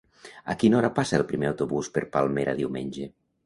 A quina hora passa el primer autobús per Palmera diumenge?